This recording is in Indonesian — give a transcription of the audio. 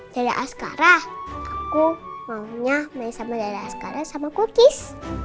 dada askara aku maunya main sama dada askara sama kukis